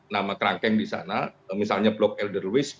nama kerangkeng di sana misalnya blok elder luis